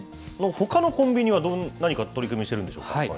ほかのコンビニは何か取り組みしてるんでしょうか。